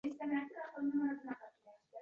Tayyorgina chuqur!